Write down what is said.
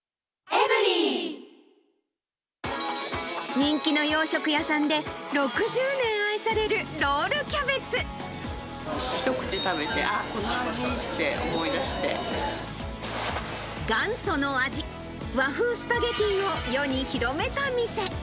人気の洋食屋さんで６０年愛一口食べて、あっ、この味っ元祖の味、和風スパゲティを世に広めた店。